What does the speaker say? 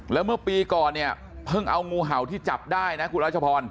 แล้วเมื่อปีก่อนเนี่ยเพิ่งเอางูเห่าที่จับได้นะคุณรัชพร